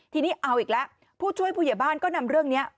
ทีนี้เอาอีกแล้วผู้ช่วยผู้ใหญ่บ้านก็นำเรื่องนี้